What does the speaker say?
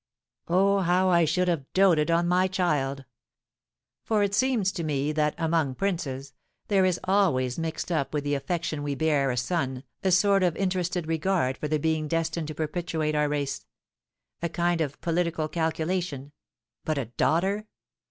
"Oh, how I should have doted on my child! For it seems to me that, among princes, there is always mixed up with the affection we bear a son, a sort of interested regard for the being destined to perpetuate our race, a kind of political calculation. But a daughter!